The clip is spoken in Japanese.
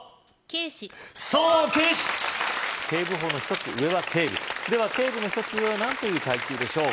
警視そう警視警部補の１つ上は警部では警部の１つ上は何という階級でしょう